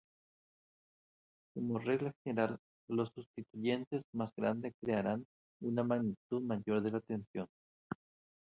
Como regla general, los sustituyentes más grandes crearán una magnitud mayor de la tensión.